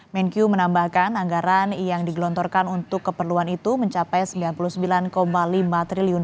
menkyu menambahkan anggaran yang digelontorkan untuk keperluan itu mencapai rp sembilan puluh sembilan lima triliun